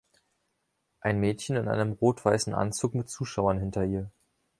Ein Mädchen in einem rot-weißen Anzug mit Zuschauern hinter ihr.